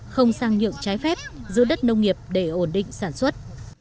không sang nhượng trái phép giữ đất nông nghiệp để ổn định sản xuất